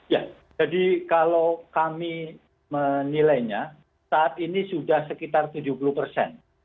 ya jadi kalau kami menilainya saat ini sudah sekitar tujuh puluh persen